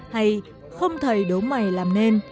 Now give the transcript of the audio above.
hay không thầy đố mày làm nên